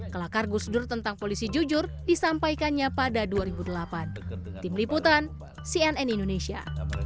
kelakar gusdur tentang polisi jujur disampaikannya pada dua ribu delapan